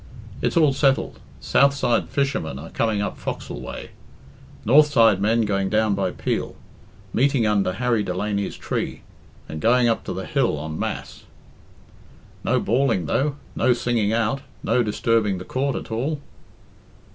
It's all settled. Southside fishermen are coming up Foxal way; north side men going down by Peel. Meeting under Harry Delany's tree, and going up to the hill on mass (en masse). No bawling, though no singing out no disturbing the Coort at all."